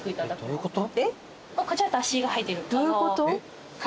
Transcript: どういうこと？